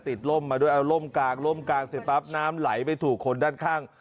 ล่มมาด้วยเอาร่มกลางล่มกลางเสร็จปั๊บน้ำไหลไปถูกคนด้านข้าง